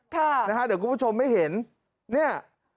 ค่ะนะฮะเดี๋ยวคุณผู้ชมให้เห็นนี่